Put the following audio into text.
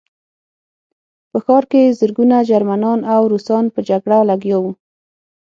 په ښار کې زرګونه جرمنان او روسان په جګړه لګیا وو